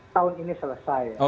tahun ini selesai